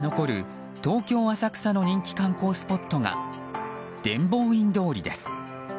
江戸の風情が残る東京・浅草の人気観光スポットが伝法院通りです。